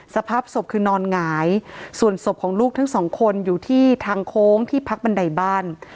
สภาพศพคือนอนหงายส่วนศพของลูกทั้งสองคนอยู่ที่ทางโค้งที่พักบันไดบ้าน